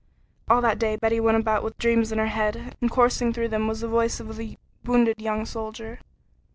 All that day Betty went about with dreams in her head, and coursing through them was the voice of the wounded young soldier.